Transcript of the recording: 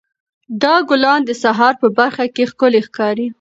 دا ګلان د سهار په پرخه کې ښکلي ښکاري.